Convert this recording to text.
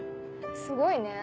すごいね。